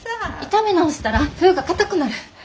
炒め直したら麩がかたくなる。